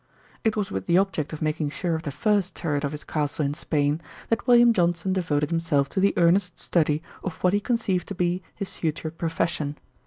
It was with the object of making sure of the first turret of his castle in Spain, that William Johnson devoted himself to the earnest study of what he conceived to be his future profession.